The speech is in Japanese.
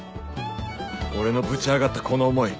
俺のブチ上がったこの思い